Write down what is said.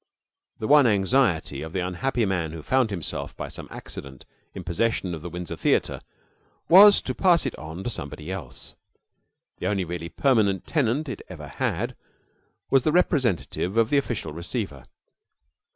The one anxiety of the unhappy man who found himself, by some accident, in possession of the Windsor Theater, was to pass it on to somebody else. The only really permanent tenant it ever had was the representative of the Official Receiver.